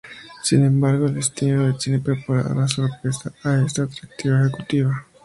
Sin embargo, el destino le tiene preparada una sorpresa a esta atractiva ejecutiva.